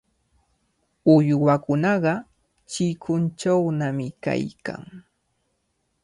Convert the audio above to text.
Uywakunaqa chikunchawnami kaykan.